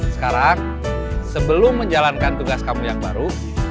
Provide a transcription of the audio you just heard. sekarang sebelum menjalankan tugas kamu yang baru